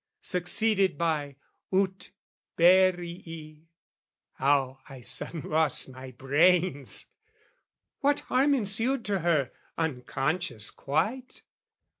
succeeded by "Ut perii," "how I sudden lost my brains!" What harm ensued to her unconscious quite?